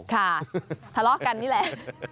ธะเลาะกันนี่แหล่ะ